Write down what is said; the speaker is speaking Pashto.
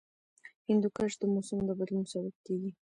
هندوکش د موسم د بدلون سبب کېږي.